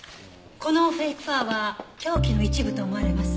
このフェイクファーは凶器の一部と思われます。